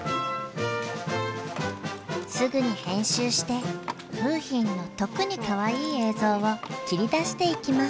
すぐに編集して楓浜の特にかわいい映像を切り出していきます。